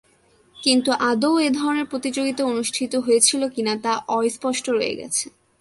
কিন্তু, আদৌ এ ধরনের প্রতিযোগিতা অনুষ্ঠিত হয়েছিল কি-না তা অস্পষ্ট রয়ে গেছে।